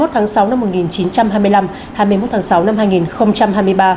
hai mươi tháng sáu năm một nghìn chín trăm hai mươi năm hai mươi một tháng sáu năm hai nghìn hai mươi ba